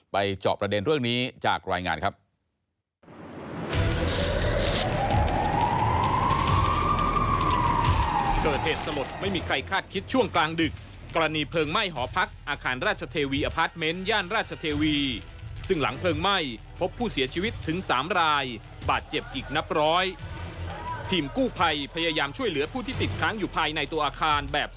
เจาะประเด็นเรื่องนี้จากรายงานครับ